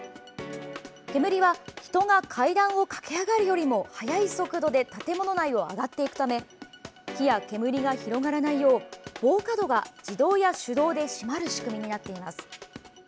煙は、人が階段を駆け上がるよりも速い速度で建物内を上がっていくため火や煙が広がらないよう防火戸が自動や手動で閉まる仕組みになっています。